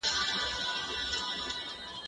کېدای سي کتاب اوږد وي؟